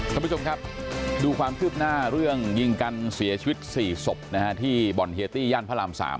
ท่านผู้ชมครับดูความคืบหน้าเรื่องยิงกันเสียชีวิต๔ศพนะฮะที่บ่อนเฮียตี้ย่านพระราม๓